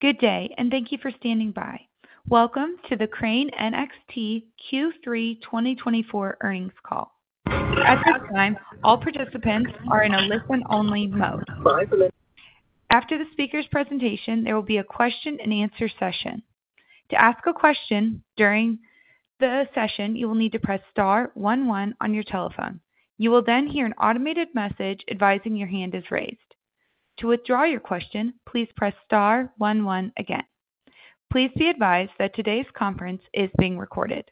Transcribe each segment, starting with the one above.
Good day, and thank you for standing by. Welcome to the Crane NXT Q3 2024 earnings call. At this time, all participants are in a listen-only mode. After the speaker's presentation, there will be a question-and-answer session. To ask a question during the session, you will need to press star one one on your telephone. You will then hear an automated message advising your hand is raised. To withdraw your question, please press star one one again. Please be advised that today's conference is being recorded.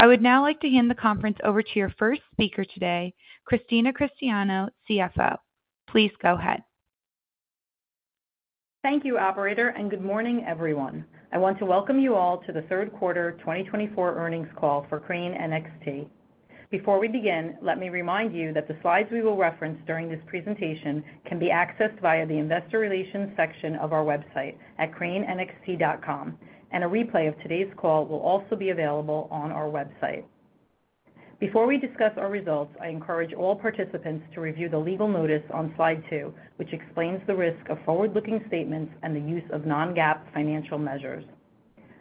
I would now like to hand the conference over to your first speaker today, Christina Cristiano, CFO. Please go ahead. Thank you, Operator, and good morning, everyone. I want to welcome you all to the Third Quarter 2024 Earnings Call for Crane NXT. Before we begin, let me remind you that the slides we will reference during this presentation can be accessed via the investor relations section of our website at cranenxt.com, and a replay of today's call will also be available on our website. Before we discuss our results, I encourage all participants to review the legal notice on slide two, which explains the risk of forward-looking statements and the use of non-GAAP financial measures.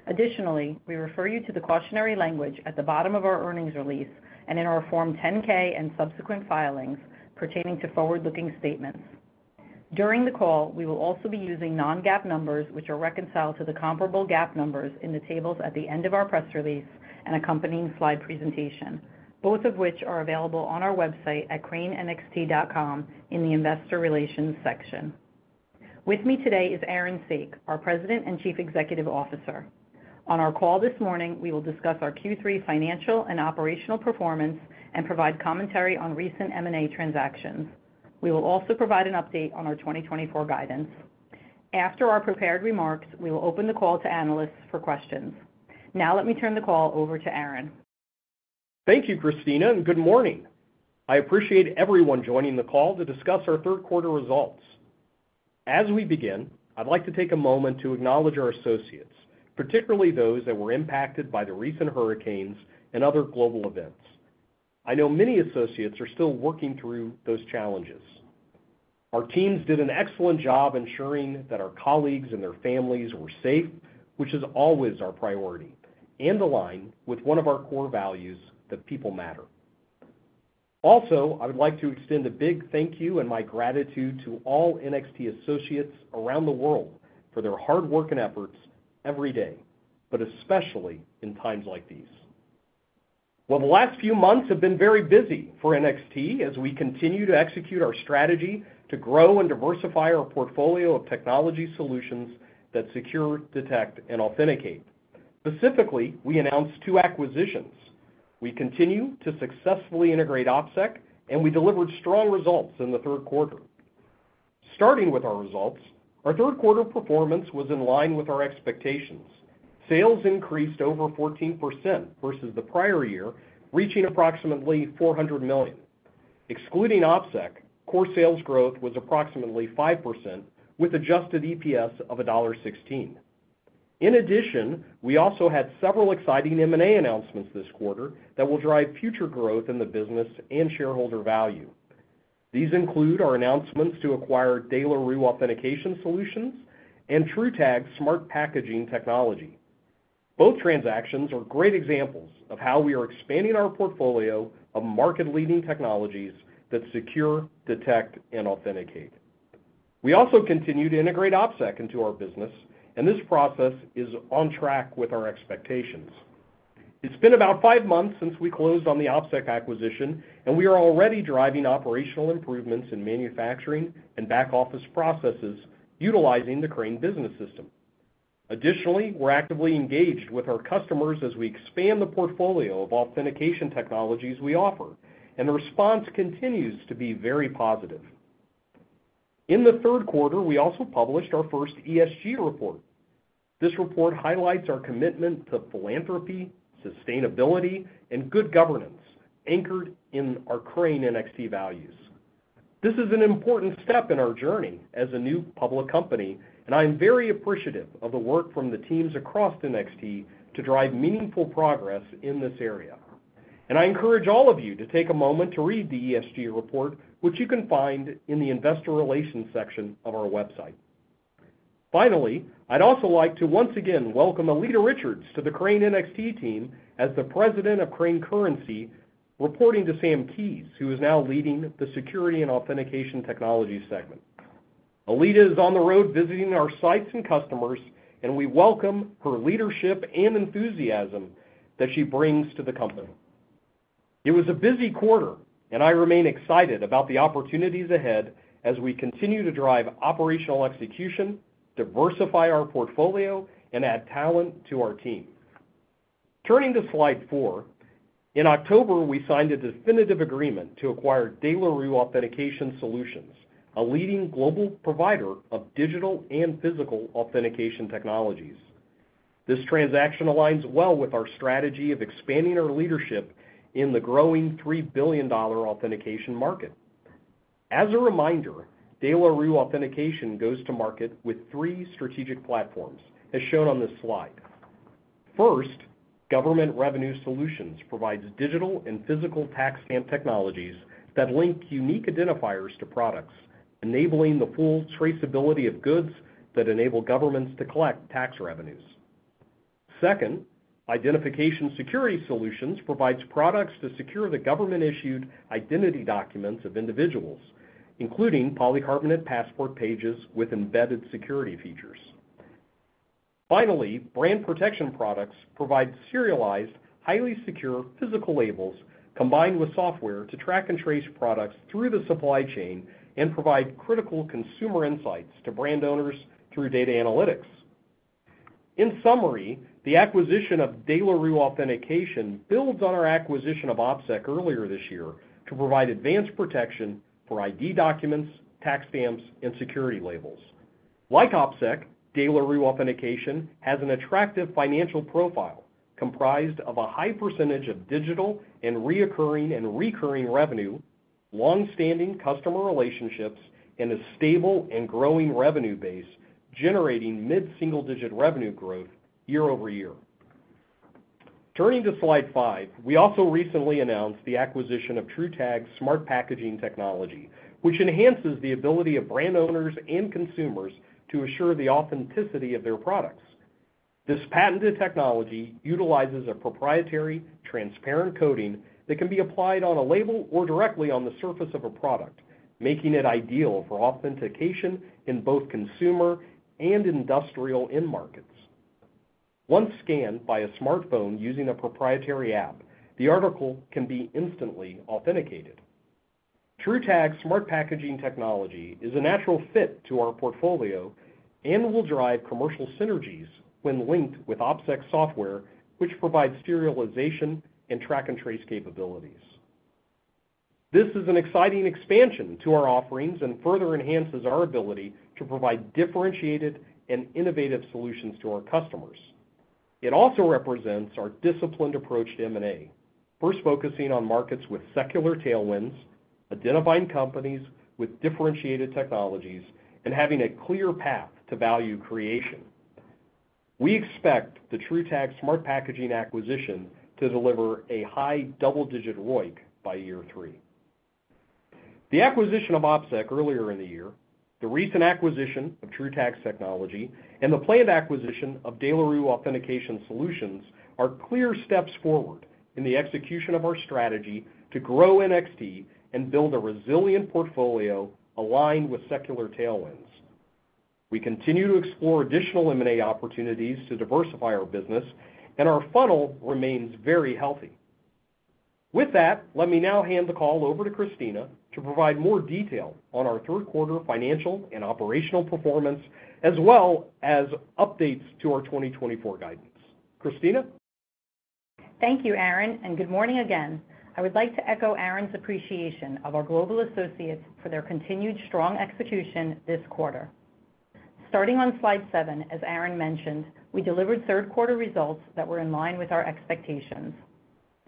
Additionally, we refer you to the cautionary language at the bottom of our earnings release and in our Form 10-K and subsequent filings pertaining to forward-looking statements. During the call, we will also be using non-GAAP numbers, which are reconciled to the comparable GAAP numbers in the tables at the end of our press release and accompanying slide presentation, both of which are available on our website at cranenxt.com in the investor relations section. With me today is Aaron Saak, our President and Chief Executive Officer. On our call this morning, we will discuss our Q3 financial and operational performance and provide commentary on recent M&A transactions. We will also provide an update on our 2024 guidance. After our prepared remarks, we will open the call to analysts for questions. Now, let me turn the call over to Aaron. Thank you, Christina, and good morning. I appreciate everyone joining the call to discuss our third quarter results. As we begin, I'd like to take a moment to acknowledge our associates, particularly those that were impacted by the recent hurricanes and other global events. I know many associates are still working through those challenges. Our teams did an excellent job ensuring that our colleagues and their families were safe, which is always our priority, and aligned with one of our core values, that people matter. Also, I would like to extend a big thank you and my gratitude to all NXT associates around the world for their hard work and efforts every day, but especially in times like these. The last few months have been very busy for NXT as we continue to execute our strategy to grow and diversify our portfolio of technology solutions that secure, detect, and authenticate. Specifically, we announced two acquisitions. We continue to successfully integrate OpSec, and we delivered strong results in the third quarter. Starting with our results, our third quarter performance was in line with our expectations. Sales increased over 14% versus the prior year, reaching approximately $400 million. Excluding OpSec, core sales growth was approximately 5% with adjusted EPS of $1.16. In addition, we also had several exciting M&A announcements this quarter that will drive future growth in the business and shareholder value. These include our announcements to acquire De La Rue Authentication Solutions and TruTag smart packaging technology. Both transactions are great examples of how we are expanding our portfolio of market-leading technologies that secure, detect, and authenticate. We also continue to integrate OpSec into our business, and this process is on track with our expectations. It's been about five months since we closed on the OpSec acquisition, and we are already driving operational improvements in manufacturing and back-office processes utilizing the Crane Business System. Additionally, we're actively engaged with our customers as we expand the portfolio of authentication technologies we offer, and the response continues to be very positive. In the third quarter, we also published our first ESG report. This report highlights our commitment to philanthropy, sustainability, and good governance anchored in our Crane NXT values. This is an important step in our journey as a new public company, and I am very appreciative of the work from the teams across NXT to drive meaningful progress in this area. I encourage all of you to take a moment to read the ESG report, which you can find in the investor relations section of our website. Finally, I'd also like to once again welcome Aleta Richards to the Crane NXT team as the President of Crane Currency, reporting to Sam Keayes, who is now leading the Security and Authentication Technology segment. Aleta is on the road visiting our sites and customers, and we welcome her leadership and enthusiasm that she brings to the company. It was a busy quarter, and I remain excited about the opportunities ahead as we continue to drive operational execution, diversify our portfolio, and add talent to our team. Turning to slide four, in October, we signed a definitive agreement to acquire De La Rue Authentication Solutions, a leading global provider of digital and physical authentication technologies. This transaction aligns well with our strategy of expanding our leadership in the growing $3 billion authentication market. As a reminder, De La Rue Authentication Solutions goes to market with three strategic platforms, as shown on this slide. First, Government Revenue Solutions provides digital and physical tax stamp technologies that link unique identifiers to products, enabling the full traceability of goods that enable governments to collect tax revenues. Second, Identification Security Solutions provides products to secure the government-issued identity documents of individuals, including polycarbonate passport pages with embedded security features. Finally, Brand Protection Products provides serialized, highly secure physical labels combined with software to track and trace products through the supply chain and provide critical consumer insights to brand owners through data analytics. In summary, the acquisition of De La Rue Authentication Solutions builds on our acquisition of OpSec earlier this year to provide advanced protection for ID documents, tax stamps, and security labels. Like OpSec, De La Rue Authentication has an attractive financial profile comprised of a high percentage of digital and recurring revenue, long-standing customer relationships, and a stable and growing revenue base, generating mid-single-digit revenue growth year over year. Turning to slide five, we also recently announced the acquisition of TruTag smart packaging Technology, which enhances the ability of brand owners and consumers to assure the authenticity of their products. This patented technology utilizes a proprietary, transparent coating that can be applied on a label or directly on the surface of a product, making it ideal for authentication in both consumer and industrial end markets. Once scanned by a smartphone using a proprietary app, the article can be instantly authenticated. TruTag smart packaging technology is a natural fit to our portfolio and will drive commercial synergies when linked with OpSec software, which provides serialization and track and trace capabilities. This is an exciting expansion to our offerings and further enhances our ability to provide differentiated and innovative solutions to our customers. It also represents our disciplined approach to M&A, first focusing on markets with secular tailwinds, identifying companies with differentiated technologies, and having a clear path to value creation. We expect the TruTag smart packaging acquisition to deliver a high double-digit ROIC by year three. The acquisition of OpSec earlier in the year, the recent acquisition of TruTag Technology, and the planned acquisition of De La Rue Authentication Solutions are clear steps forward in the execution of our strategy to grow NXT and build a resilient portfolio aligned with secular tailwinds. We continue to explore additional M&A opportunities to diversify our business, and our funnel remains very healthy. With that, let me now hand the call over to Christina to provide more detail on our third quarter financial and operational performance, as well as updates to our 2024 guidance. Christina? Thank you, Aaron, and good morning again. I would like to echo Aaron's appreciation of our global associates for their continued strong execution this quarter. Starting on slide seven, as Aaron mentioned, we delivered third quarter results that were in line with our expectations.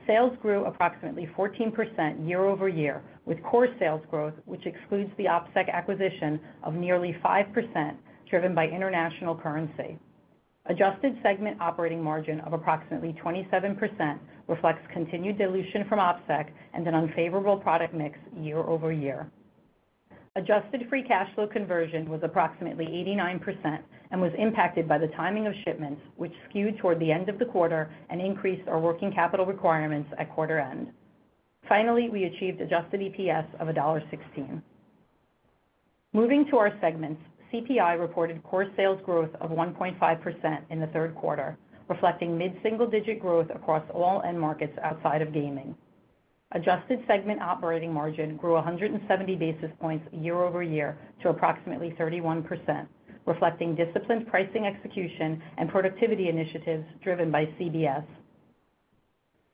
Sales grew approximately 14% year over year, with core sales growth, which excludes the OpSec acquisition, of nearly 5% driven by international currency. Adjusted segment operating margin of approximately 27% reflects continued dilution from OpSec and an unfavorable product mix year over year. Adjusted free cash flow conversion was approximately 89% and was impacted by the timing of shipments, which skewed toward the end of the quarter and increased our working capital requirements at quarter end. Finally, we achieved adjusted EPS of $1.16. Moving to our segments, CPI reported core sales growth of 1.5% in the third quarter, reflecting mid-single-digit growth across all end markets outside of gaming. Adjusted segment operating margin grew 170 basis points year over year to approximately 31%, reflecting disciplined pricing execution and productivity initiatives driven by CBS.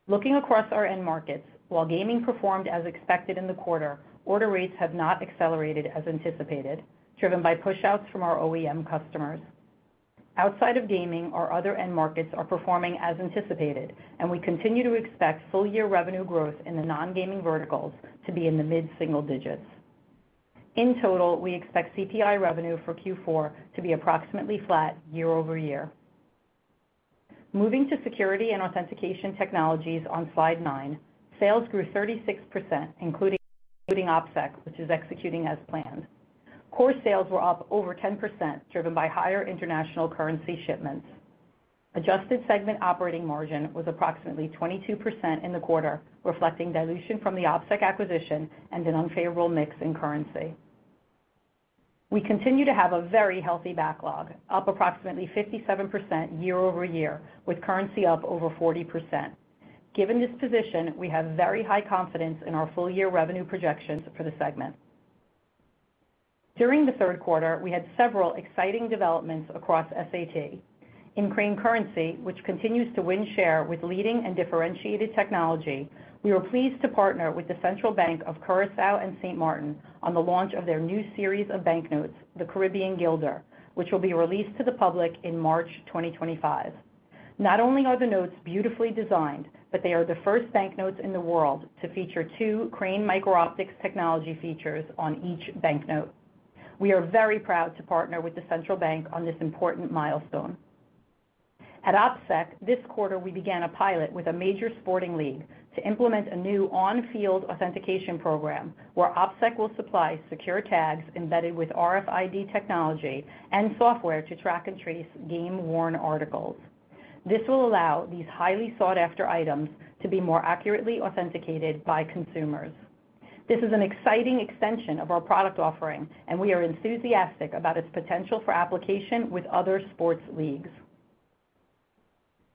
Looking across our end markets, while gaming performed as expected in the quarter, order rates have not accelerated as anticipated, driven by push-outs from our OEM customers. Outside of gaming, our other end markets are performing as anticipated, and we continue to expect full-year revenue growth in the non-gaming verticals to be in the mid-single digits. In total, we expect CPI revenue for Q4 to be approximately flat year over year. Moving to Security and Authentication Technologies on slide nine, sales grew 36%, including OpSec, which is executing as planned. Core sales were up over 10%, driven by higher international currency shipments. Adjusted segment operating margin was approximately 22% in the quarter, reflecting dilution from the OpSec acquisition and an unfavorable mix in currency. We continue to have a very healthy backlog, up approximately 57% year over year, with currency up over 40%. Given this position, we have very high confidence in our full-year revenue projections for the segment. During the third quarter, we had several exciting developments across SAT. In Crane Currency, which continues to win share with leading and differentiated technology, we were pleased to partner with the Central Bank of Curaçao and Sint Maarten on the launch of their new series of banknotes, the Caribbean guilder, which will be released to the public in March 2025. Not only are the notes beautifully designed, but they are the first banknotes in the world to feature two Crane Micro-Optic technology features on each banknote. We are very proud to partner with the Central Bank on this important milestone. At OpSec, this quarter, we began a pilot with a major sporting league to implement a new on-field authentication program where OpSec will supply secure tags embedded with RFID technology and software to track and trace game-worn articles. This will allow these highly sought-after items to be more accurately authenticated by consumers. This is an exciting extension of our product offering, and we are enthusiastic about its potential for application with other sports leagues.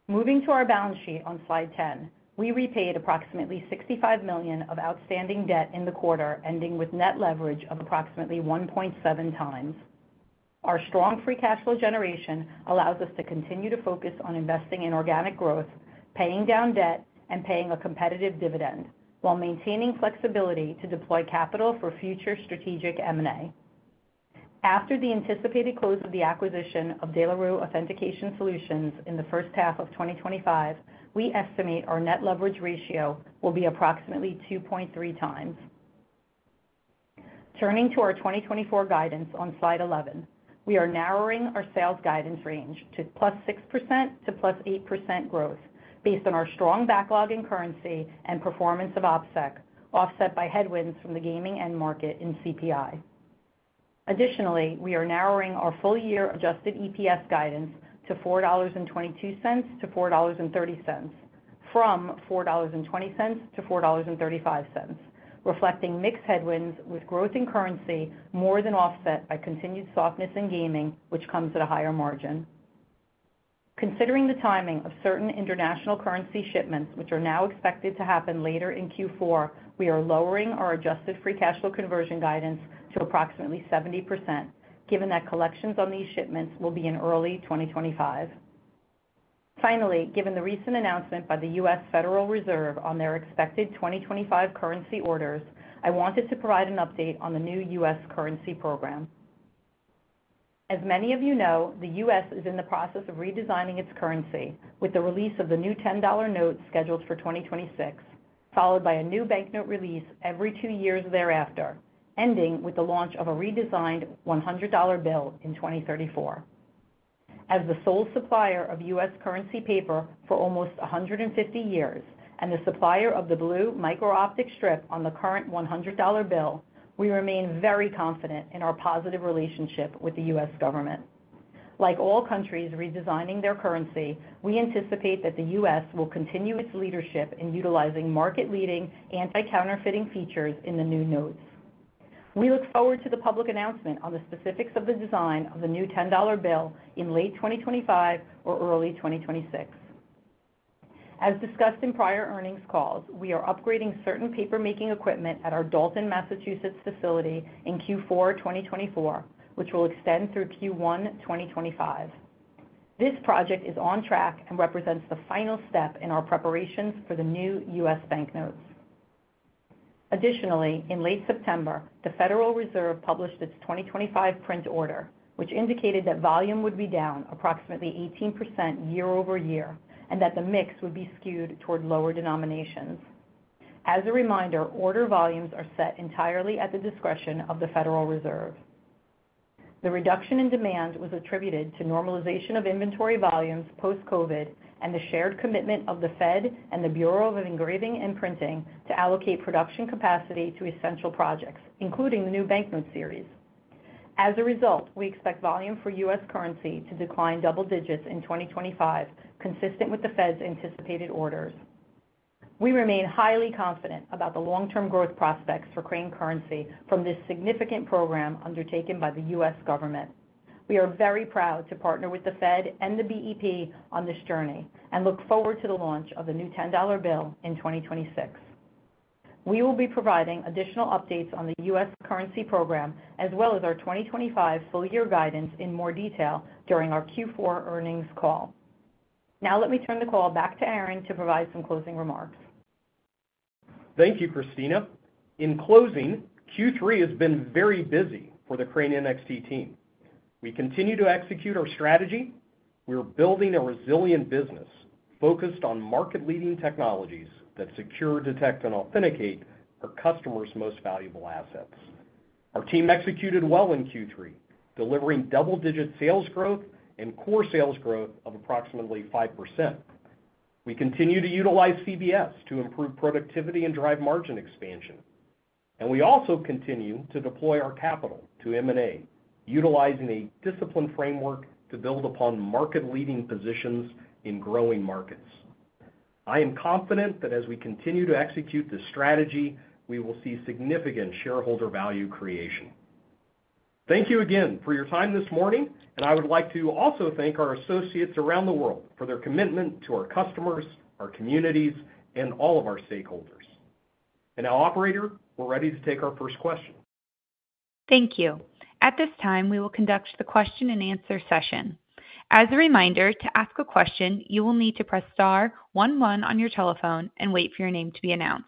Moving to our balance sheet on slide 10, we repaid approximately $65 million of outstanding debt in the quarter, ending with net leverage of approximately 1.7 times. Our strong free cash flow generation allows us to continue to focus on investing in organic growth, paying down debt, and paying a competitive dividend, while maintaining flexibility to deploy capital for future strategic M&A. After the anticipated close of the acquisition of De La Rue Authentication Solutions in the first half of 2025, we estimate our net leverage ratio will be approximately 2.3 times. Turning to our 2024 guidance on slide 11, we are narrowing our sales guidance range to +6% to +8% growth based on our strong backlog in currency and performance of OPSEC, offset by headwinds from the gaming end market in CPI. Additionally, we are narrowing our full-year Adjusted EPS guidance to $4.22 to $4.30 from $4.20 to $4.35, reflecting mixed headwinds with growth in currency more than offset by continued softness in gaming, which comes at a higher margin. Considering the timing of certain international currency shipments, which are now expected to happen later in Q4, we are lowering our adjusted free cash flow conversion guidance to approximately 70%, given that collections on these shipments will be in early 2025. Finally, given the recent announcement by the U.S. Federal Reserve on their expected 2025 currency orders, I wanted to provide an update on the new U.S. currency program. As many of you know, the U.S. is in the process of redesigning its currency with the release of the new $10 note scheduled for 2026, followed by a new banknote release every two years thereafter, ending with the launch of a redesigned $100 bill in 2034. As the sole supplier of U.S. currency paper for almost 150 years and the supplier of the blue Micro-Optic strip on the current $100 bill, we remain very confident in our positive relationship with the U.S. government. Like all countries redesigning their currency, we anticipate that the U.S. will continue its leadership in utilizing market-leading anti-counterfeiting features in the new notes. We look forward to the public announcement on the specifics of the design of the new $10 bill in late 2025 or early 2026. As discussed in prior earnings calls, we are upgrading certain paper-making equipment at our Dalton, Massachusetts, facility in Q4 2024, which will extend through Q1 2025. This project is on track and represents the final step in our preparations for the new U.S. banknotes. Additionally, in late September, the Federal Reserve published its 2025 print order, which indicated that volume would be down approximately 18% year over year and that the mix would be skewed toward lower denominations. As a reminder, order volumes are set entirely at the discretion of the Federal Reserve. The reduction in demand was attributed to normalization of inventory volumes post-COVID and the shared commitment of the Fed and the Bureau of Engraving and Printing to allocate production capacity to essential projects, including the new banknote series. As a result, we expect volume for U.S. currency to decline double digits in 2025, consistent with the Fed's anticipated orders. We remain highly confident about the long-term growth prospects for Crane Currency from this significant program undertaken by the U.S. government. We are very proud to partner with the Fed and the BEP on this journey and look forward to the launch of the new $10 bill in 2026. We will be providing additional updates on the U.S. currency program, as well as our 2025 full-year guidance in more detail during our Q4 earnings call. Now, let me turn the call back to Aaron to provide some closing remarks. Thank you, Christina. In closing, Q3 has been very busy for the Crane NXT team. We continue to execute our strategy. We're building a resilient business focused on market-leading technologies that secure, detect, and authenticate our customers' most valuable assets. Our team executed well in Q3, delivering double-digit sales growth and core sales growth of approximately 5%. We continue to utilize CBS to improve productivity and drive margin expansion. And we also continue to deploy our capital to M&A, utilizing a disciplined framework to build upon market-leading positions in growing markets. I am confident that as we continue to execute this strategy, we will see significant shareholder value creation. Thank you again for your time this morning, and I would like to also thank our associates around the world for their commitment to our customers, our communities, and all of our stakeholders. Now, Operator, we're ready to take our first question. Thank you. At this time, we will conduct the question-and-answer session. As a reminder, to ask a question, you will need to press star 11 on your telephone and wait for your name to be announced.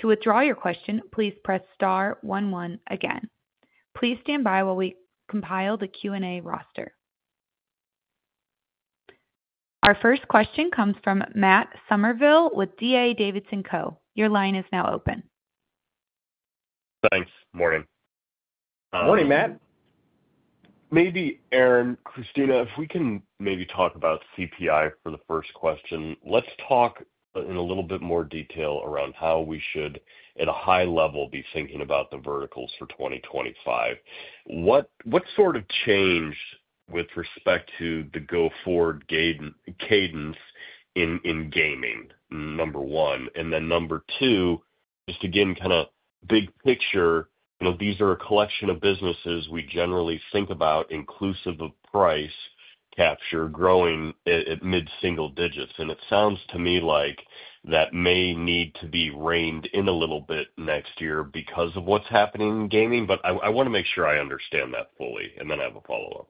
To withdraw your question, please press star one one again. Please stand by while we compile the Q&A roster. Our first question comes from Matt Summerville with D.A. Davidson & Co. Your line is now open. Thanks. Morning. Morning, Matt. Maybe, Aaron, Christina, if we can maybe talk about CPI for the first question, let's talk in a little bit more detail around how we should, at a high level, be thinking about the verticals for 2025. What sort of change with respect to the go-forward cadence in gaming, number one, and then number two, just again, kind of big picture, these are a collection of businesses we generally think about inclusive of price capture growing at mid-single digits, and it sounds to me like that may need to be reined in a little bit next year because of what's happening in gaming, but I want to make sure I understand that fully, and then I have a follow-up.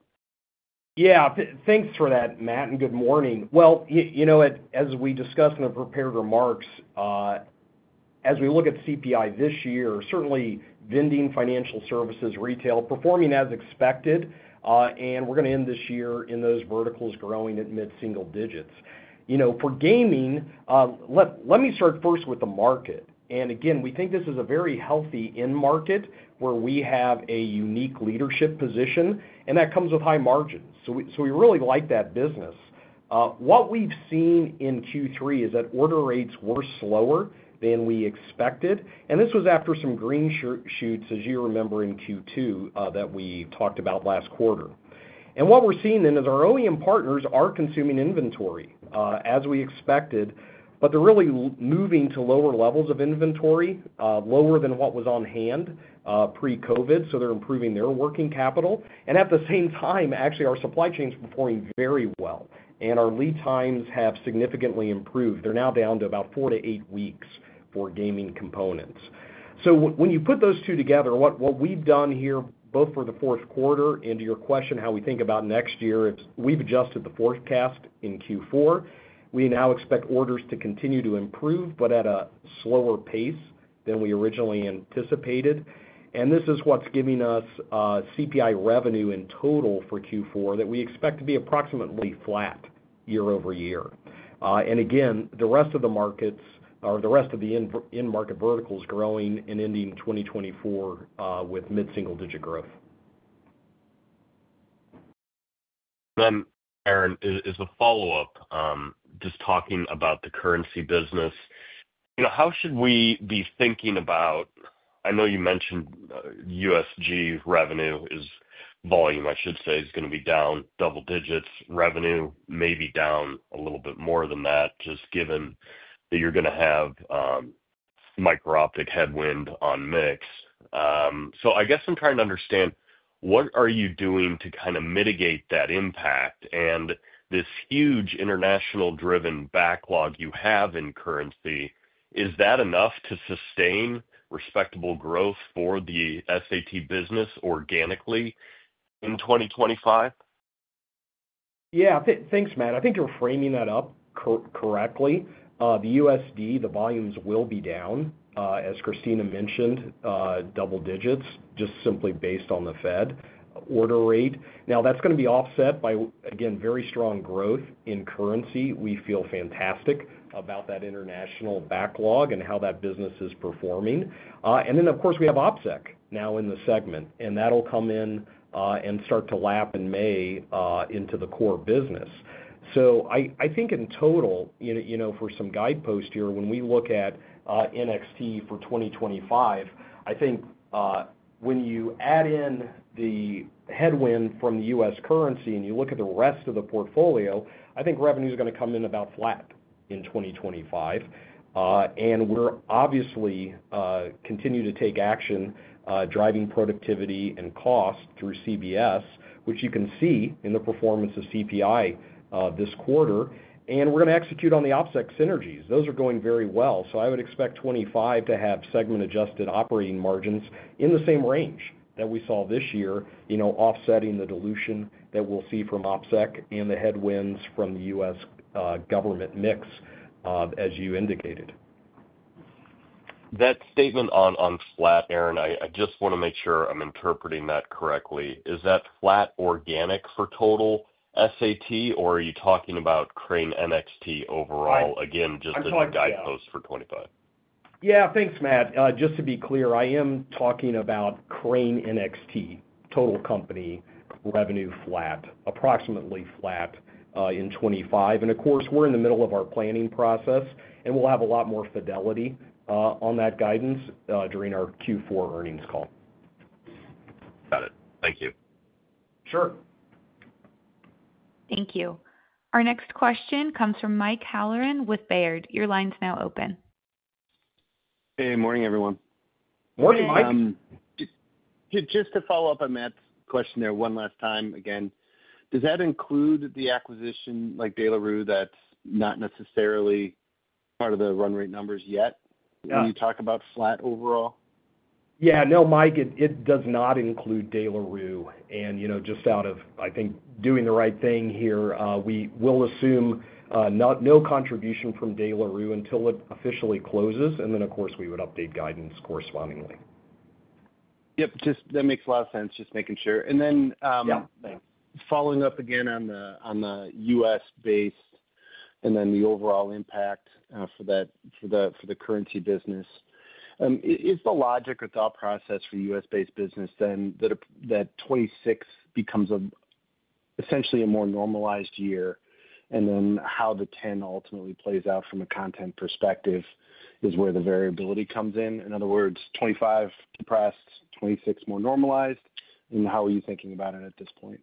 Yeah. Thanks for that, Matt, and good morning. Well, you know as we discussed in the prepared remarks, as we look at CPI this year, certainly vending financial services, retail performing as expected, and we're going to end this year in those verticals growing at mid-single digits. For gaming, let me start first with the market. And again, we think this is a very healthy end market where we have a unique leadership position, and that comes with high margins. So we really like that business. What we've seen in Q3 is that order rates were slower than we expected, and this was after some green shoots, as you remember in Q2 that we talked about last quarter. What we're seeing then is our OEM partners are consuming inventory as we expected, but they're really moving to lower levels of inventory, lower than what was on hand pre-COVID, so they're improving their working capital. At the same time, actually, our supply chain is performing very well, and our lead times have significantly improved. They're now down to about four to eight weeks for gaming components. When you put those two together, what we've done here, both for the fourth quarter and to your question how we think about next year, we've adjusted the forecast in Q4. We now expect orders to continue to improve, but at a slower pace than we originally anticipated. This is what's giving us CPI revenue in total for Q4 that we expect to be approximately flat year over year. And again, the rest of the markets or the rest of the end market verticals growing and ending 2024 with mid-single digit growth. Then, Aaron, as a follow-up, just talking about the currency business, how should we be thinking about? I know you mentioned USG revenue is volume, I should say, is going to be down double digits. Revenue may be down a little bit more than that, just given that you're going to have Micro-Optic headwind on mix. So I guess I'm trying to understand what are you doing to kind of mitigate that impact? And this huge international-driven backlog you have in currency, is that enough to sustain respectable growth for the SAT business organically in 2025? Yeah. Thanks, Matt. I think you're framing that up correctly. The USD, the volumes will be down, as Christina mentioned, double digits, just simply based on the Fed order rate. Now, that's going to be offset by, again, very strong growth in currency. We feel fantastic about that international backlog and how that business is performing. And then, of course, we have OpSec now in the segment, and that'll come in and start to lap in May into the core business. So I think in total, for some guideposts here, when we look at NXT for 2025, I think when you add in the headwind from the U.S. currency and you look at the rest of the portfolio, I think revenue is going to come in about flat in 2025. And we're obviously continuing to take action driving productivity and cost through CBS, which you can see in the performance of CPI this quarter. And we're going to execute on the OpSec synergies. Those are going very well. So I would expect 2025 to have segment-adjusted operating margins in the same range that we saw this year, offsetting the dilution that we'll see from OpSec and the headwinds from the U.S. government mix, as you indicated. That statement on flat, Aaron, I just want to make sure I'm interpreting that correctly. Is that flat organic for total SAT, or are you talking about Crane NXT overall? Again, just as a guidepost for 2025. Yeah. Thanks, Matt. Just to be clear, I am talking about Crane NXT, total company revenue flat, approximately flat in 2025. And of course, we're in the middle of our planning process, and we'll have a lot more fidelity on that guidance during our Q4 earnings call. Got it. Thank you. Sure. Thank you. Our next question comes from Mike Halloran with Baird. Your line's now open. Hey. Morning, everyone. Morning, Mike. Just to follow up on Matt's question there one last time, again, does that include the acquisition like De La Rue that's not necessarily part of the run rate numbers yet when you talk about flat overall? Yeah. No, Mike, it does not include De La Rue. And just out of, I think, doing the right thing here, we will assume no contribution from De La Rue until it officially closes. And then, of course, we would update guidance correspondingly. Yep. That makes a lot of sense. Just making sure. And then. Yeah. Thanks. Following up again on the U.S.-based and then the overall impact for the currency business, is the logic or thought process for U.S.-based business then that 2026 becomes essentially a more normalized year? And then how the 2025 ultimately plays out from a content perspective is where the variability comes in. In other words, 2025 depressed, 2026 more normalized. And how are you thinking about it at this point?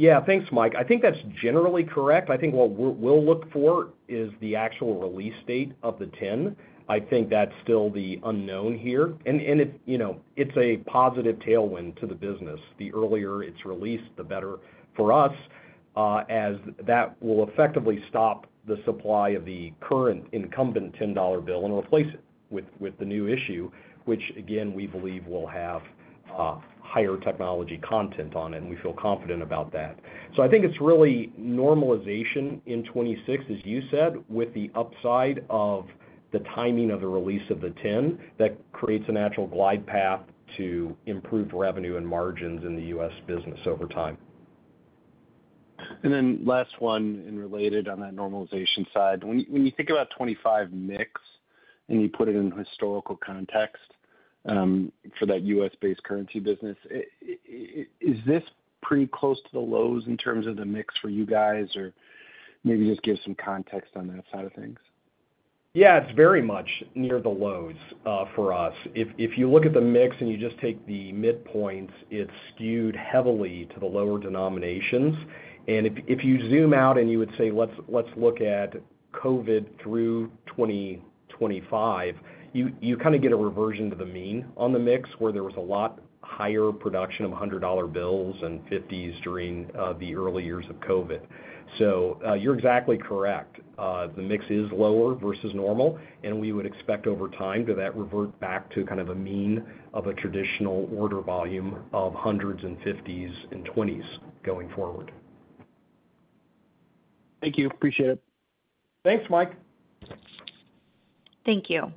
Yeah. Thanks, Mike. I think that's generally correct. I think what we'll look for is the actual release date of the '10. I think that's still the unknown here, and it's a positive tailwind to the business. The earlier it's released, the better for us, as that will effectively stop the supply of the current incumbent $10 bill and replace it with the new issue, which, again, we believe will have higher technology content on it, and we feel confident about that, so I think it's really normalization in 2026, as you said, with the upside of the timing of the release of the '10 that creates a natural glide path to improve revenue and margins in the U.S. business over time. Then last one and related on that normalization side, when you think about 2025 mix and you put it in historical context for that U.S.-based currency business, is this pretty close to the lows in terms of the mix for you guys? Or maybe just give some context on that side of things? Yeah. It's very much near the lows for us. If you look at the mix and you just take the midpoints, it's skewed heavily to the lower denominations, and if you zoom out and you would say, "Let's look at COVID through 2025," you kind of get a reversion to the mean on the mix, where there was a lot higher production of $100 bills and 50s during the early years of COVID, so you're exactly correct. The mix is lower versus normal, and we would expect over time to that revert back to kind of a mean of a traditional order volume of hundreds and 50s and 20s going forward. Thank you. Appreciate it. Thanks, Mike. Thank you.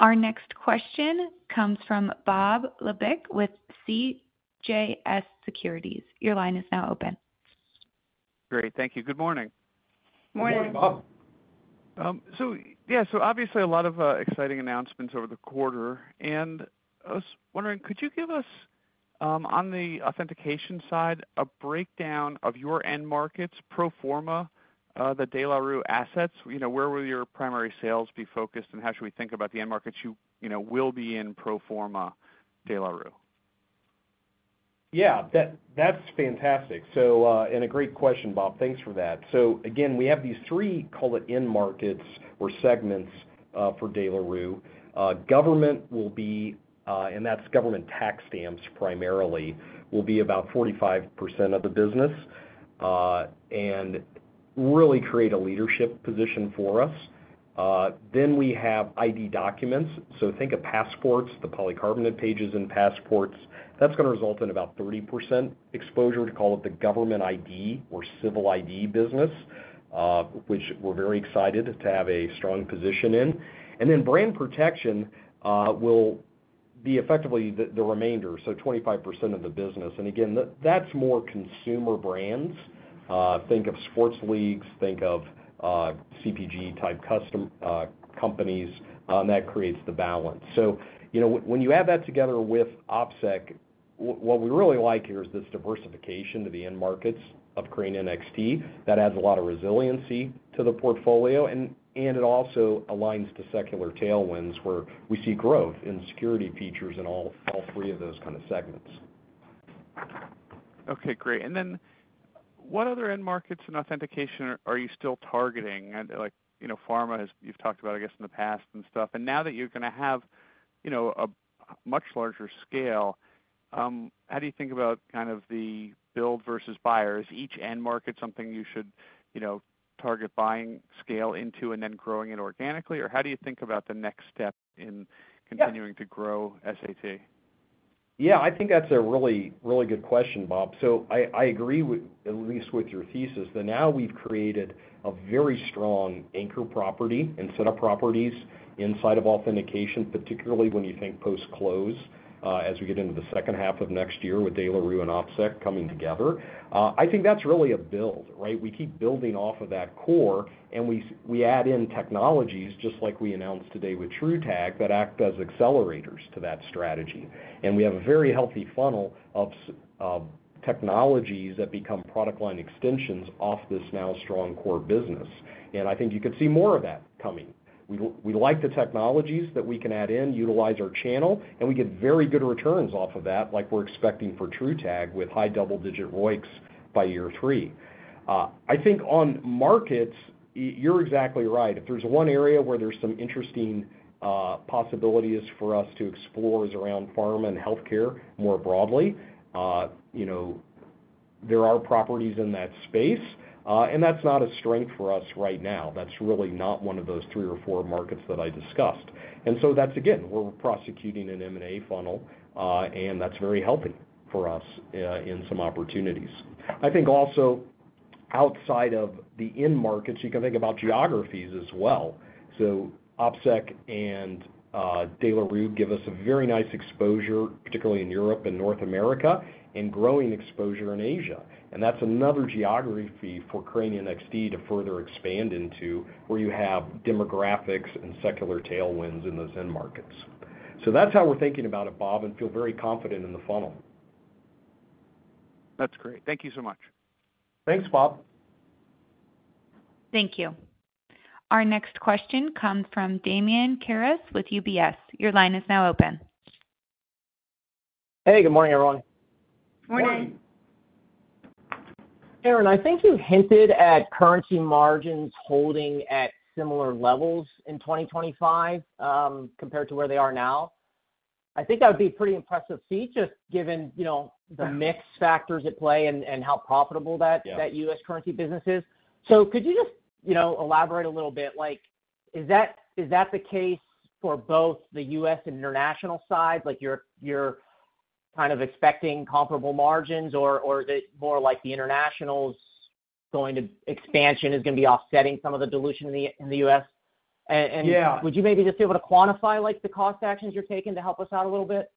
Our next question comes from Bob Labick with CJS Securities. Your line is now open. Great. Thank you. Good morning. Good morning. Good morning, Bob. Yeah, so obviously a lot of exciting announcements over the quarter, and I was wondering, could you give us, on the authentication side, a breakdown of your end markets, pro forma, the De La Rue assets? Where will your primary sales be focused, and how should we think about the end markets you will be in pro forma De La Rue? Yeah. That's fantastic and a great question, Bob. Thanks for that. So again, we have these three, call it, end markets or segments for De La Rue. Government will be, and that's government tax stamps primarily, will be about 45% of the business and really create a leadership position for us. Then we have ID documents. So think of passports, the polycarbonate pages in passports. That's going to result in about 30% exposure to call it the government ID or civil ID business, which we're very excited to have a strong position in, and then brand protection will be effectively the remainder, so 25% of the business. And again, that's more consumer brands. Think of sports leagues. Think of CPG-type companies. That creates the balance. So when you add that together with OPSEC, what we really like here is this diversification to the end markets of Crane NXT. That adds a lot of resiliency to the portfolio, and it also aligns to secular tailwinds where we see growth in security features in all three of those kind of segments. Okay. Great. And then what other end markets and authentication are you still targeting? Pharma, as you've talked about, I guess, in the past and stuff. And now that you're going to have a much larger scale, how do you think about kind of the build versus buyer? Is each end market something you should target buying scale into and then growing it organically? Or how do you think about the next step in continuing to grow SAT? Yeah. I think that's a really good question, Bob. So I agree at least with your thesis that now we've created a very strong anchor property and set of properties inside of authentication, particularly when you think post-close as we get into the second half of next year with De La Rue and OpSec coming together. I think that's really a build, right? We keep building off of that core, and we add in technologies just like we announced today with TruTag that act as accelerators to that strategy. And we have a very healthy funnel of technologies that become product line extensions off this now strong core business. And I think you could see more of that coming. We like the technologies that we can add in, utilize our channel, and we get very good returns off of that, like we're expecting for TruTag with high double-digit ROICs by year three. I think on markets, you're exactly right. If there's one area where there's some interesting possibilities for us to explore is around pharma and healthcare more broadly. There are properties in that space, and that's not a strength for us right now. That's really not one of those three or four markets that I discussed. And so that's, again, we're prosecuting an M&A funnel, and that's very healthy for us in some opportunities. I think also outside of the end markets, you can think about geographies as well. So OpSec and De La Rue give us a very nice exposure, particularly in Europe and North America, and growing exposure in Asia. And that's another geography for Crane NXT to further expand into, where you have demographics and secular tailwinds in those end markets. So that's how we're thinking about it, Bob, and feel very confident in the funnel. That's great. Thank you so much. Thanks, Bob. Thank you. Our next question comes from Damian Karas with UBS. Your line is now open. Hey. Good morning, everyone. Morning. Morning. Aaron, I think you hinted at currency margins holding at similar levels in 2025 compared to where they are now. I think that would be a pretty impressive feat just given the mix factors at play and how profitable that U.S. currency business is. So could you just elaborate a little bit? Is that the case for both the U.S. and international side? You're kind of expecting comparable margins, or is it more like the international's expansion is going to be offsetting some of the dilution in the U.S.? Yeah. Would you maybe just be able to quantify the cost actions you're taking to help us out a little bit?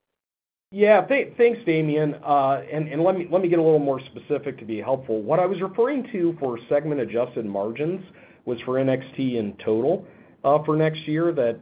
Yeah. Thanks, Damian. And let me get a little more specific to be helpful. What I was referring to for segment-adjusted margins was for NXT in total for next year, that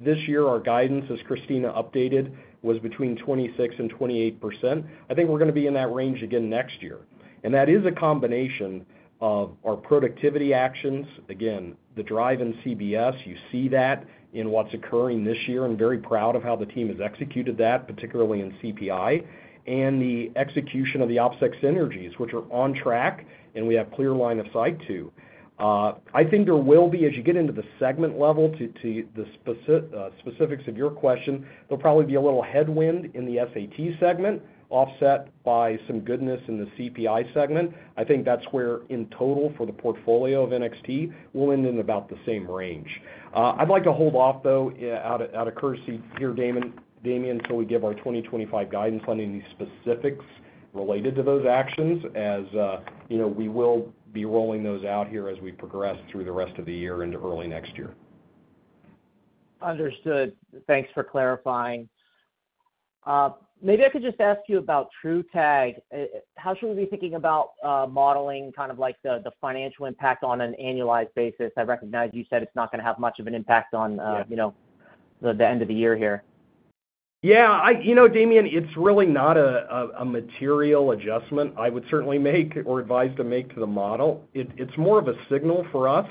this year our guidance, as Christina updated, was between 26% and 28%. I think we're going to be in that range again next year. And that is a combination of our productivity actions, again, the drive in CBS. You see that in what's occurring this year. I'm very proud of how the team has executed that, particularly in CPI and the execution of the OpSec synergies, which are on track, and we have clear line of sight to. I think there will be, as you get into the segment level to the specifics of your question, there'll probably be a little headwind in the SAT segment offset by some goodness in the CPI segment. I think that's where in total for the portfolio of NXT, we'll end in about the same range. I'd like to hold off, though, out of courtesy here, Damian, until we give our 2025 guidance on any specifics related to those actions, as we will be rolling those out here as we progress through the rest of the year into early next year. Understood. Thanks for clarifying. Maybe I could just ask you about TruTag. How should we be thinking about modeling kind of like the financial impact on an annualized basis? I recognize you said it's not going to have much of an impact on the end of the year here. Yeah. You know, Damian, it's really not a material adjustment I would certainly make or advise to make to the model. It's more of a signal for us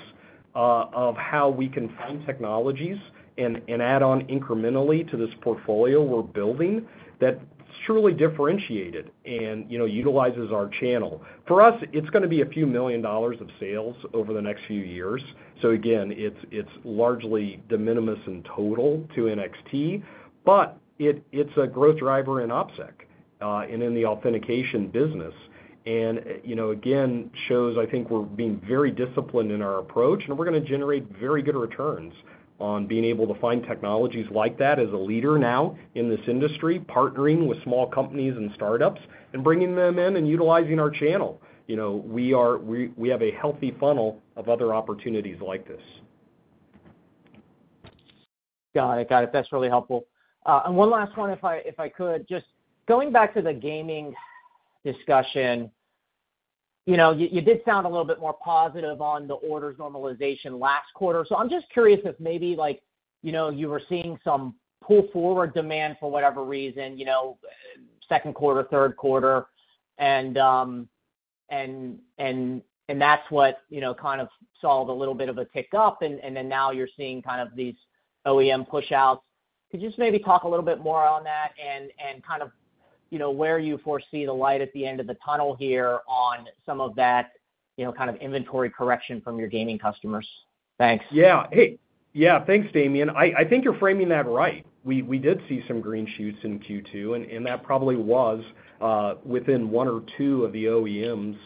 of how we can find technologies and add on incrementally to this portfolio we're building that's truly differentiated and utilizes our channel. For us, it's going to be a few million dollars of sales over the next few years. So again, it's largely de minimis in total to NXT, but it's a growth driver in OpSec and in the authentication business. And again, shows, I think, we're being very disciplined in our approach, and we're going to generate very good returns on being able to find technologies like that as a leader now in this industry, partnering with small companies and startups and bringing them in and utilizing our channel. We have a healthy funnel of other opportunities like this. Got it. Got it. That's really helpful. And one last one, if I could, just going back to the gaming discussion, you did sound a little bit more positive on the orders normalization last quarter. So I'm just curious if maybe you were seeing some pull forward demand for whatever reason, second quarter, third quarter, and that's what kind of saw a little bit of a tick up, and then now you're seeing kind of these OEM push-outs. Could you just maybe talk a little bit more on that and kind of where you foresee the light at the end of the tunnel here on some of that kind of inventory correction from your gaming customers? Thanks. Yeah. Thanks, Damian. I think you're framing that right. We did see some green shoots in Q2, and that probably was within one or two of the OEMs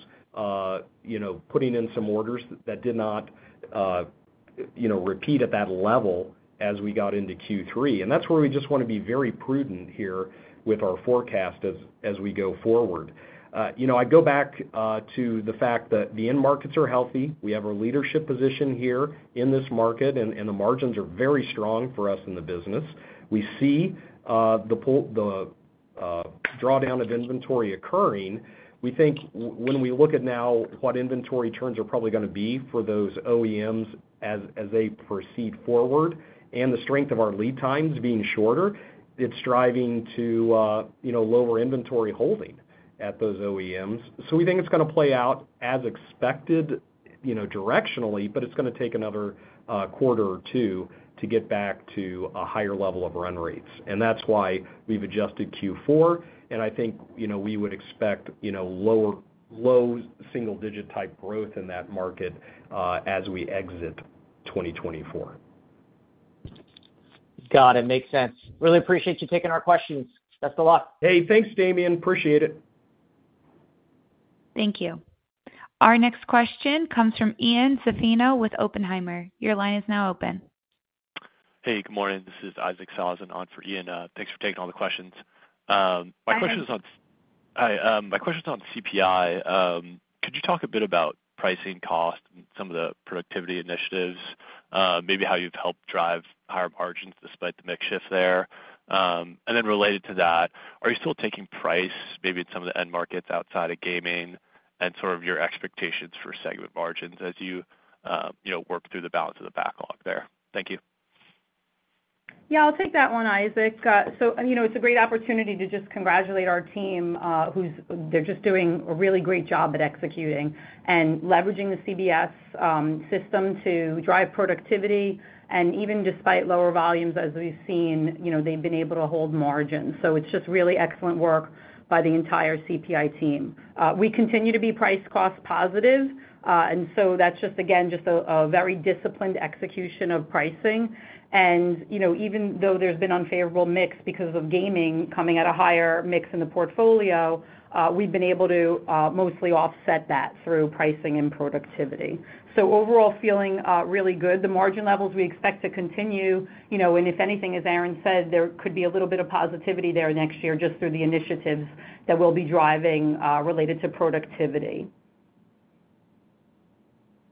putting in some orders that did not repeat at that level as we got into Q3. And that's where we just want to be very prudent here with our forecast as we go forward. I go back to the fact that the end markets are healthy. We have a leadership position here in this market, and the margins are very strong for us in the business. We see the drawdown of inventory occurring. We think, when we look at now what inventory turns are probably going to be for those OEMs as they proceed forward and the strength of our lead times being shorter, it's driving to lower inventory holding at those OEMs. So we think it's going to play out as expected directionally, but it's going to take another quarter or two to get back to a higher level of run rates. And that's why we've adjusted Q4, and I think we would expect low single-digit type growth in that market as we exit 2024. Got it. Makes sense. Really appreciate you taking our questions. Best of luck. Hey. Thanks, Damian. Appreciate it. Thank you. Our next question comes from Ian Zaffino with Oppenheimer. Your line is now open. Hey. Good morning. This is Isaac Sellhausen on for Ian Zaffino. Thanks for taking all the questions. My question is on CPI. Could you talk a bit about pricing, cost, and some of the productivity initiatives, maybe how you've helped drive higher margins despite the mix shift there? And then related to that, are you still taking price, maybe in some of the end markets outside of gaming, and sort of your expectations for segment margins as you work through the balance of the backlog there? Thank you. Yeah. I'll take that one, Isaac. So it's a great opportunity to just congratulate our team. They're just doing a really great job at executing and leveraging the CBS system to drive productivity. And even despite lower volumes, as we've seen, they've been able to hold margins. So it's just really excellent work by the entire CPI team. We continue to be price-cost positive, and so that's just, again, just a very disciplined execution of pricing. And even though there's been unfavorable mix because of gaming coming at a higher mix in the portfolio, we've been able to mostly offset that through pricing and productivity. So overall, feeling really good. The margin levels we expect to continue. And if anything, as Aaron said, there could be a little bit of positivity there next year just through the initiatives that we'll be driving related to productivity.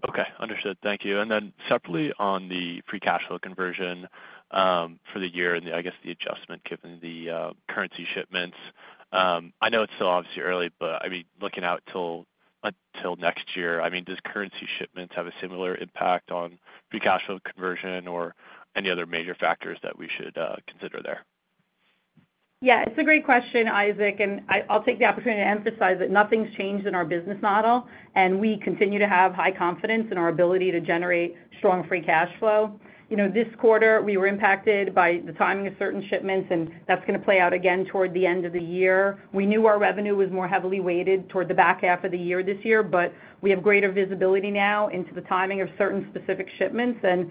Okay. Understood. Thank you. And then separately on the free cash flow conversion for the year and, I guess, the adjustment given the currency shipments, I know it's still obviously early, but I mean, looking out until next year, I mean, does currency shipments have a similar impact on free cash flow conversion or any other major factors that we should consider there? Yeah. It's a great question, Isaac, and I'll take the opportunity to emphasize that nothing's changed in our business model, and we continue to have high confidence in our ability to generate strong free cash flow. This quarter, we were impacted by the timing of certain shipments, and that's going to play out again toward the end of the year. We knew our revenue was more heavily weighted toward the back half of the year this year, but we have greater visibility now into the timing of certain specific shipments, and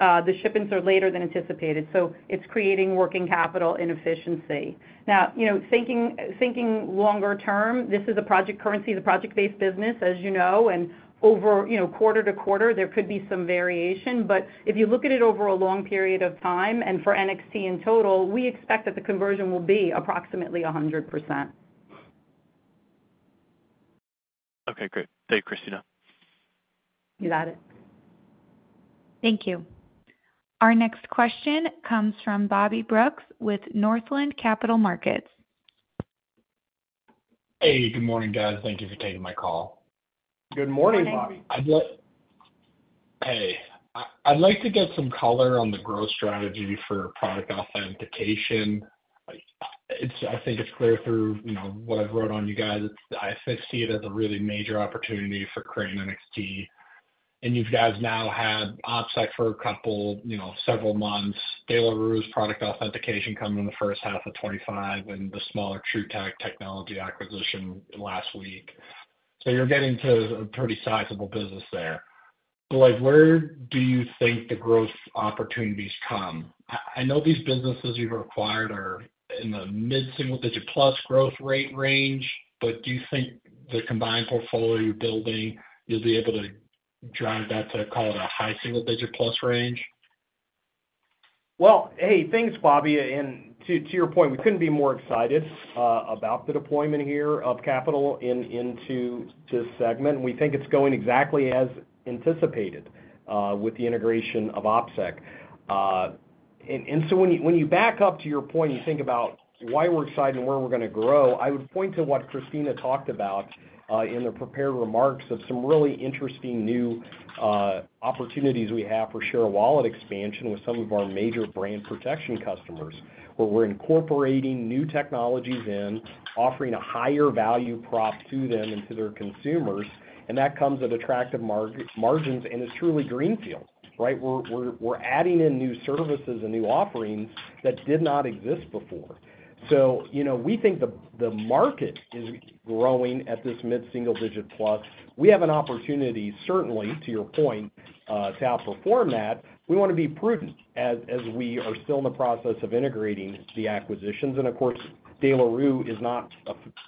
the shipments are later than anticipated. So it's creating working capital inefficiency. Now, thinking longer term, this is a project currency, the project-based business, as you know, and over quarter to quarter, there could be some variation. But if you look at it over a long period of time, and for NXT in total, we expect that the conversion will be approximately 100%. Okay. Great. Thank you, Christina. You got it. Thank you. Our next question comes from Bobby Brooks with Northland Capital Markets. Hey. Good morning, guys. Thank you for taking my call. Good morning, Bobby. Hey. I'd like to get some color on the growth strategy for product authentication. I think it's clear through what I've wrote on you guys. I see it as a really major opportunity for Crane NXT, and you guys now have OpSec for several months, De La Rue's product authentication coming in the first half of 2025, and the smaller TruTag technology acquisition last week. So you're getting to a pretty sizable business there. But where do you think the growth opportunities come? I know these businesses you've acquired are in the mid-single-digit plus growth rate range, but do you think the combined portfolio you're building, you'll be able to drive that to, call it a high single-digit plus range? Hey, thanks, Bobby. To your point, we couldn't be more excited about the deployment here of capital into this segment. We think it's going exactly as anticipated with the integration of OpSec. When you back up to your point, you think about why we're excited and where we're going to grow. I would point to what Christina talked about in the prepared remarks of some really interesting new opportunities we have for share wallet expansion with some of our major brand protection customers, where we're incorporating new technologies in, offering a higher value prop to them and to their consumers. That comes at attractive margins, and it's truly greenfield, right? We're adding in new services and new offerings that did not exist before. We think the market is growing at this mid-single-digit plus. We have an opportunity, certainly, to your point, to outperform that. We want to be prudent as we are still in the process of integrating the acquisitions. And of course, De La Rue is not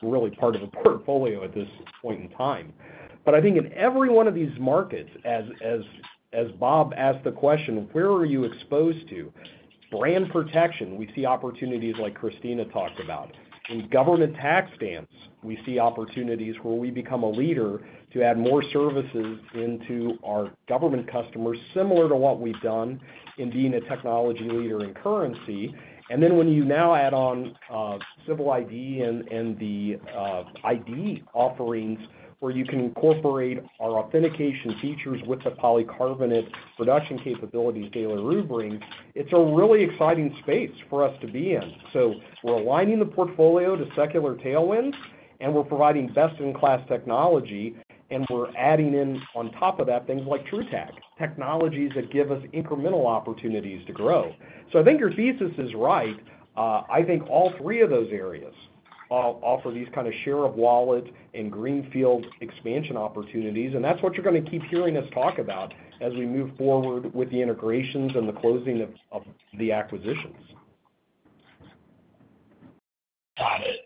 really part of a portfolio at this point in time. But I think in every one of these markets, as Bob asked the question, where are you exposed to brand protection? We see opportunities like Christina talked about. In government tax stamps, we see opportunities where we become a leader to add more services into our government customers, similar to what we've done in being a technology leader in currency. And then when you now add on civil ID and the ID offerings where you can incorporate our authentication features with the polycarbonate production capabilities De La Rue brings, it's a really exciting space for us to be in. So we're aligning the portfolio to secular tailwinds, and we're providing best-in-class technology, and we're adding in on top of that things like TruTag, technologies that give us incremental opportunities to grow. So I think your thesis is right. I think all three of those areas offer these kind of share of wallet and greenfield expansion opportunities, and that's what you're going to keep hearing us talk about as we move forward with the integrations and the closing of the acquisitions. Got it.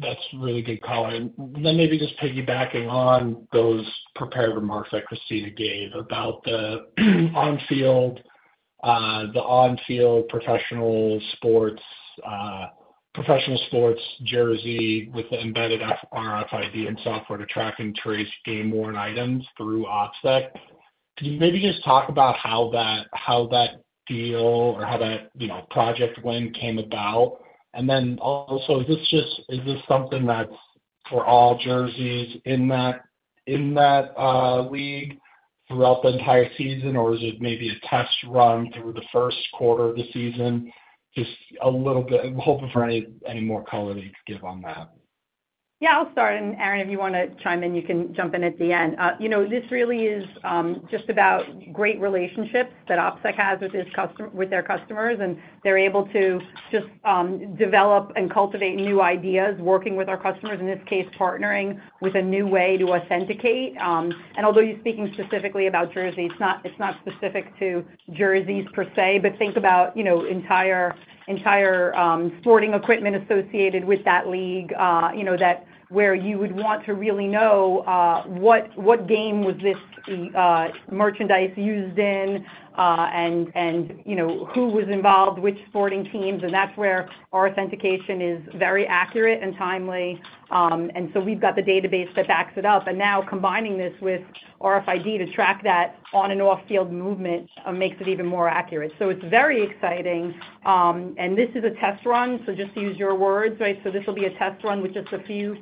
That's really good color. And then maybe just piggybacking on those prepared remarks that Christina gave about the on-field professional sports jersey with the embedded RFID and software to track and trace game-worn items through OpSec. Could you maybe just talk about how that deal or how that project win came about? And then also, is this something that's for all jerseys in that league throughout the entire season, or is it maybe a test run through the first quarter of the season? Just a little bit hoping for any more color that you could give on that. Yeah. I'll start. And Aaron, if you want to chime in, you can jump in at the end. This really is just about great relationships that OpSec has with their customers, and they're able to just develop and cultivate new ideas working with our customers, in this case, partnering with a new way to authenticate. And although you're speaking specifically about jerseys, it's not specific to jerseys per se, but think about entire sporting equipment associated with that league where you would want to really know what game was this merchandise used in and who was involved, which sporting teams. And that's where our authentication is very accurate and timely. And so we've got the database that backs it up. And now combining this with RFID to track that on- and off-field movement makes it even more accurate. So it's very exciting. And this is a test run, so just to use your words, right? So this will be a test run with just a few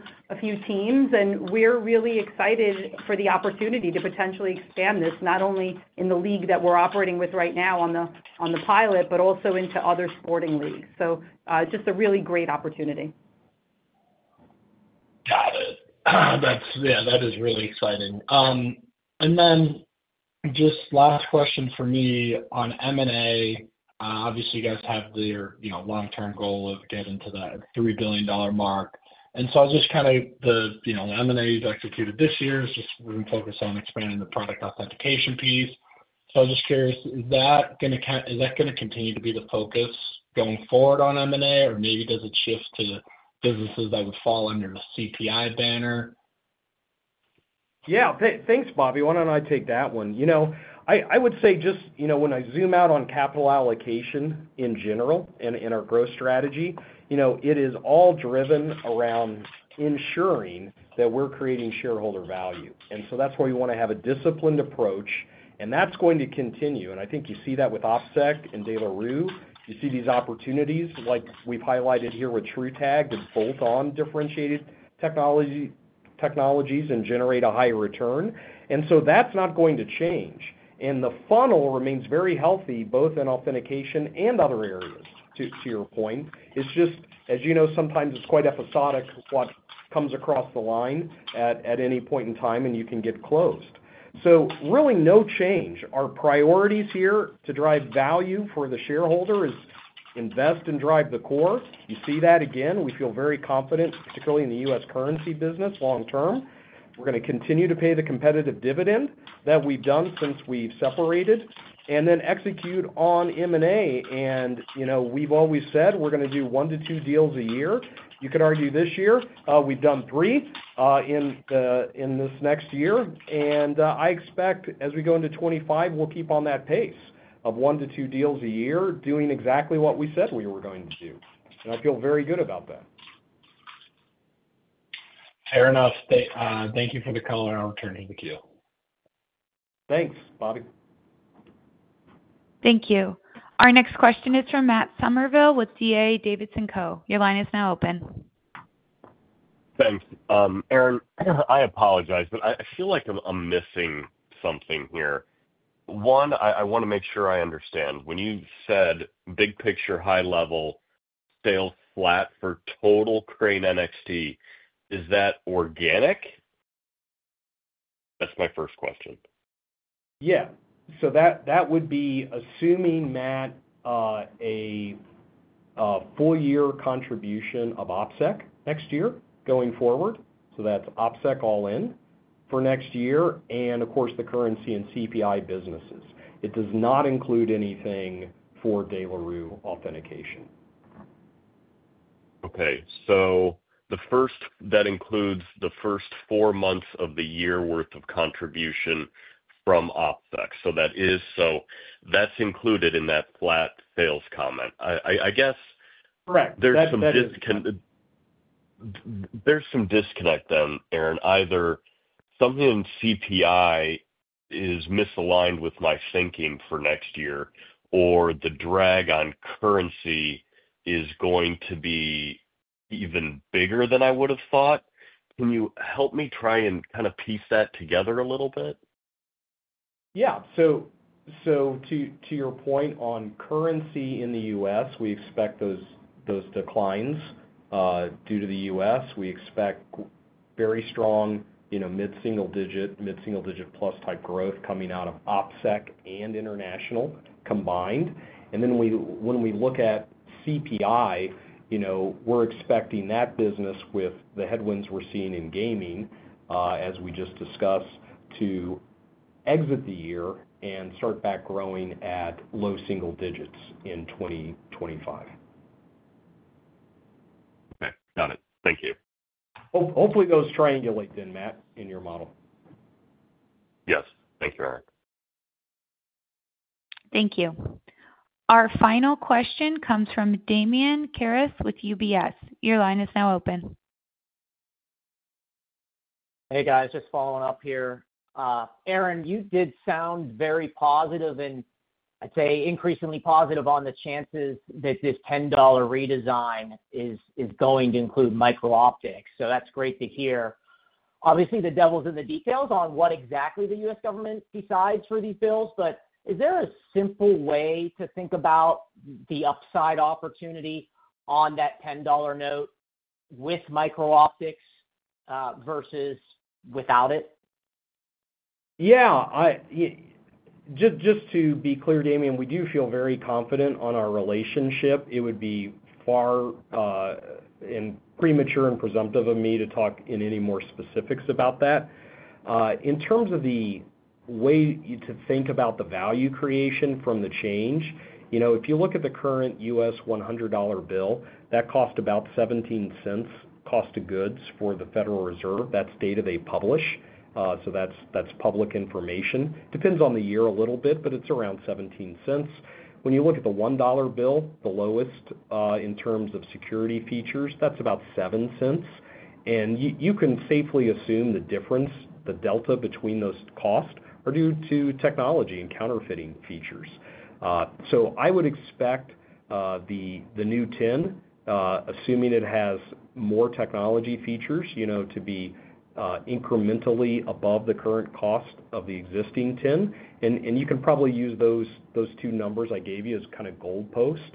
teams, and we're really excited for the opportunity to potentially expand this, not only in the league that we're operating with right now on the pilot, but also into other sporting leagues. So just a really great opportunity. Got it. Yeah. That is really exciting. And then just last question for me on M&A. Obviously, you guys have your long-term goal of getting to that $3 billion mark. And so I was just kind of. The M&A you've executed this year is just focused on expanding the product authentication piece. So I was just curious, is that going to continue to be the focus going forward on M&A, or maybe does it shift to businesses that would fall under the CPI banner? Yeah. Thanks, Bobby. Why don't I take that one? I would say just when I zoom out on capital allocation in general and in our growth strategy, it is all driven around ensuring that we're creating shareholder value. And so that's where you want to have a disciplined approach, and that's going to continue. And I think you see that with OpSec and De La Rue. You see these opportunities like we've highlighted here with TruTag to bolt on differentiated technologies and generate a higher return. And so that's not going to change. And the funnel remains very healthy, both in authentication and other areas, to your point. It's just, as you know, sometimes it's quite episodic what comes across the line at any point in time, and you can get closed. So really no change. Our priorities here to drive value for the shareholder is invest and drive the core. You see that again. We feel very confident, particularly in the U.S. currency business long-term. We're going to continue to pay the competitive dividend that we've done since we've separated and then execute on M&A, and we've always said we're going to do one to two deals a year. You could argue this year we've done three in this next year, and I expect as we go into 2025, we'll keep on that pace of one to two deals a year, doing exactly what we said we were going to do, and I feel very good about that. Fair enough. Thank you for the color. I'll turn it to you. Thanks, Bobby. Thank you. Our next question is from Matt Summerville with D.A. Davidson & Co. Your line is now open. Thanks. Aaron, I apologize, but I feel like I'm missing something here. One, I want to make sure I understand. When you said big picture, high level, sales flat for total Crane NXT, is that organic? That's my first question. Yeah. So that would be assuming, Matt, a full year contribution of OpSec next year going forward. So that's OpSec all in for next year and, of course, the currency and CPI businesses. It does not include anything for De La Rue Authentication. Okay. So that includes the first four months of the year worth of contribution from OpSec. So that's included in that flat sales comment. I guess. Correct. There's some disconnect then, Aaron. Either something in CPI is misaligned with my thinking for next year, or the drag on currency is going to be even bigger than I would have thought. Can you help me try and kind of piece that together a little bit? Yeah. So to your point on currency in the U.S., we expect those declines due to the U.S. We expect very strong mid-single-digit, mid-single-digit plus type growth coming out of OpSec and international combined. And then when we look at CPI, we're expecting that business with the headwinds we're seeing in gaming, as we just discussed, to exit the year and start back growing at low single digits in 2025. Okay. Got it. Thank you. Hopefully, those triangulate then, Matt, in your model. Yes. Thank you, Aaron. Thank you. Our final question comes from Damian Karas with UBS. Your line is now open. Hey, guys. Just following up here. Aaron, you did sound very positive and, I'd say, increasingly positive on the chances that this $10 redesign is going to include micro-optics. So that's great to hear. Obviously, the devil's in the details on what exactly the U.S. government decides for these bills, but is there a simple way to think about the upside opportunity on that $10 note with micro-optics versus without it? Yeah. Just to be clear, Damian, we do feel very confident on our relationship. It would be far too premature and presumptive of me to talk in any more specifics about that. In terms of the way to think about the value creation from the change, if you look at the current U.S. $100 bill, that costs about $0.17 cost of goods for the Federal Reserve. That's data they publish. So that's public information. Depends on the year a little bit, but it's around $0.17. When you look at the $1 bill, the lowest in terms of security features, that's about $0.07. And you can safely assume the difference, the delta between those costs are due to technology and counterfeiting features. So I would expect the new $10, assuming it has more technology features, to be incrementally above the current cost of the existing $10. You can probably use those two numbers I gave you as kind of goalpost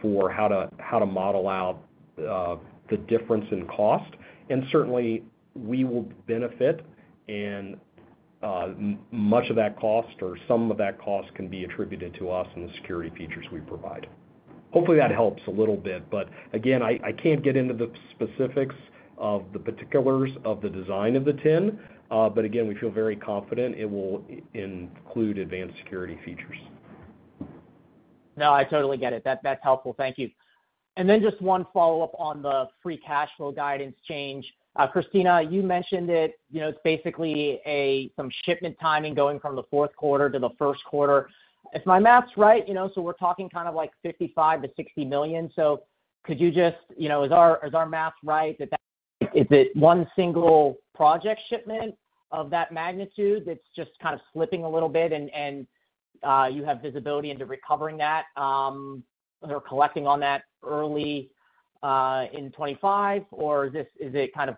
for how to model out the difference in cost. Certainly, we will benefit, and much of that cost or some of that cost can be attributed to us and the security features we provide. Hopefully, that helps a little bit. Again, I can't get into the specifics of the particulars of the design of the 10, but again, we feel very confident it will include advanced security features. No, I totally get it. That's helpful. Thank you. And then just one follow-up on the free cash flow guidance change. Christina, you mentioned it. It's basically some shipment timing going from the fourth quarter to the first quarter. If my math's right, so we're talking kind of like $55 million-$60 million. So could you just, is our math right that that is it one single project shipment of that magnitude that's just kind of slipping a little bit and you have visibility into recovering that or collecting on that early in 2025, or is it kind of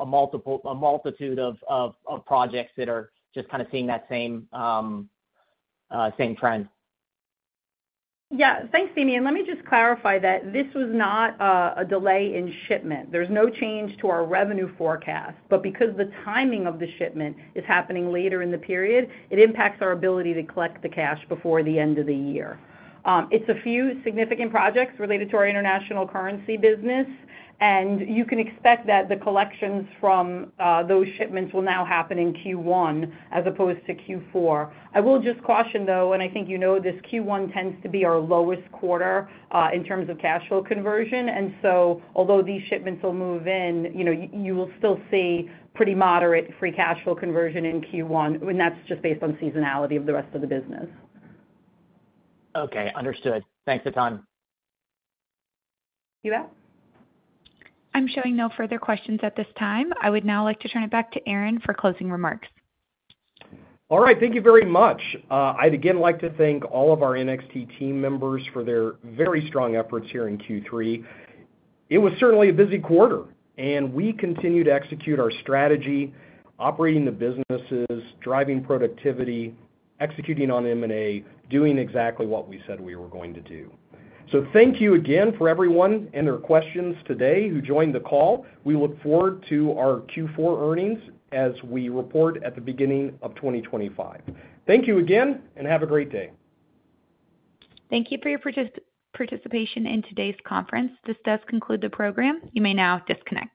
a multitude of projects that are just kind of seeing that same trend? Yeah. Thanks, Damian. Let me just clarify that this was not a delay in shipment. There's no change to our revenue forecast, but because the timing of the shipment is happening later in the period, it impacts our ability to collect the cash before the end of the year. It's a few significant projects related to our international currency business, and you can expect that the collections from those shipments will now happen in Q1 as opposed to Q4. I will just caution, though, and I think you know this Q1 tends to be our lowest quarter in terms of cash flow conversion. And so although these shipments will move in, you will still see pretty moderate free cash flow conversion in Q1, and that's just based on seasonality of the rest of the business. Okay. Understood. Thanks a ton. You bet. I'm showing no further questions at this time. I would now like to turn it back to Aaron for closing remarks. All right. Thank you very much. I'd again like to thank all of our NXT team members for their very strong efforts here in Q3. It was certainly a busy quarter, and we continue to execute our strategy, operating the businesses, driving productivity, executing on M&A, doing exactly what we said we were going to do. So thank you again for everyone and their questions today who joined the call. We look forward to our Q4 earnings as we report at the beginning of 2025. Thank you again, and have a great day. Thank you for your participation in today's conference. This does conclude the program. You may now disconnect.